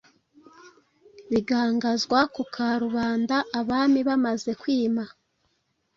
bigangazwa ku Karubanda, Abami bamaze kwima,